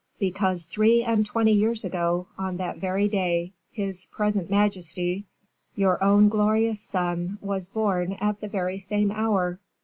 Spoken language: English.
"Because three and twenty years ago, on that very day, his present majesty, your own glorious son, was born at the very same hour."